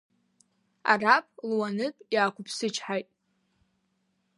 Араԥ луанытә иаақәыԥсычҳаит.